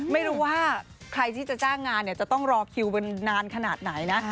ไม่รู้ว่าใครที่จะจ้างงานเนี่ยจะต้องรอคิวกันนานขนาดไหนนะ